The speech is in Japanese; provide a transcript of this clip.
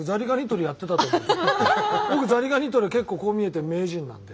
僕ザリガニ取りは結構こう見えて名人なんで。